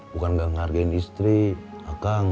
bukan gak ngehargain istri akang